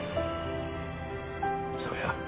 そうや。